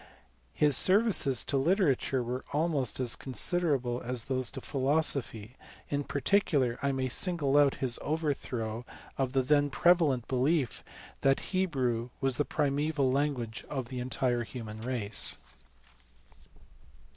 His services to literature were almost as considerable as those to philosophy; in particular I may single out his overthrow of the then prevalent belief that Hebrew was the primaeval language of the human race.